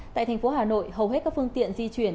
tại thành phố hà nội hầu hết các phương tiện di chuyển